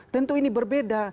tentu ini berbeda